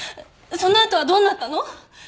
その後はどうなったの？